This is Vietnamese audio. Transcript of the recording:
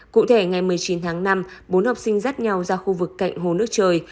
cụ thể ngày một mươi chín tháng năm bốn học sinh dắt nhau ra khu vực cạnh hồ nước trời